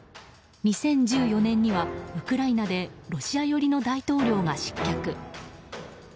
２０１４年にはウクライナでロシア寄りの大統領が失脚。